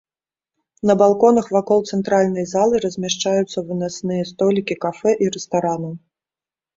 На балконах вакол цэнтральнай залы размяшчаюцца вынасныя столікі кафэ і рэстаранаў.